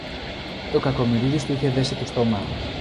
ο Κακομοιρίδης του είχε δέσει το στόμα